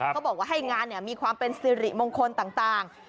เขาบอกว่าให้งานมีความเป็นสิริมงคลต่าง